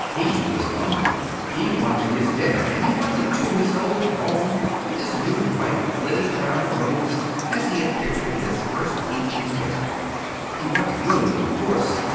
He was hungry. He wanted his dinner; and he wanted, too, his old home with his new wife flitting about the rooms as he had pictured this first evening together. He wanted William, of course.